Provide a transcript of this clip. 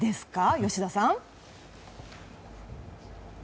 吉田さん。